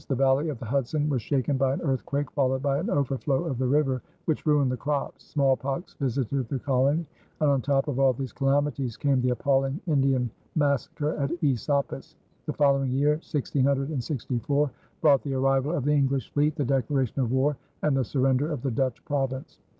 The valley of the Hudson was shaken by an earthquake followed by an overflow of the river, which ruined the crops. Smallpox visited the colony, and on top of all these calamities came the appalling Indian massacre at Esopus. The following year, 1664, brought the arrival of the English fleet, the declaration of war, and the surrender of the Dutch Province.